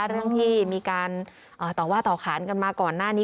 เรื่องที่มีการต่อว่าต่อขานกันมาก่อนหน้านี้